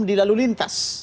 di lalu lintas